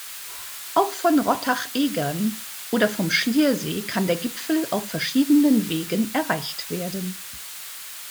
Auch von Rottach-Egern oder von Schliersee kann der Gipfel auf verschiedenen Wegen erreicht werden.